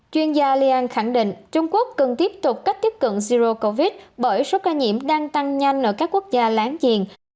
chuyên gia lian khẳng định trung quốc cần tiếp tục cách tiếp cận ziro covid bởi số ca nhiễm đang tăng nhanh ở các quốc gia láng giềng